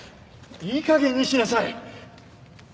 いい加減にしなさい！